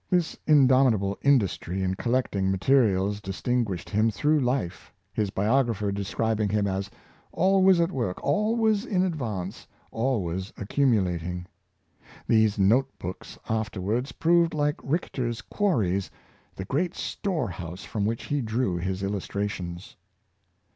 This indomitable industry in collecting ma terials distinguished him through life, his biographer describing him as "always at work, always in advance, always accumulating." These note books afterwards proved like Richter's " quarries," the great storehouse from which he drew his illustrations.